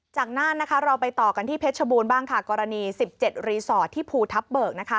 จากนั้นเราไปต่อกันที่เพชชบูลบ้างกรณี๑๗รีสอร์ตที่ภูทัฟเบิก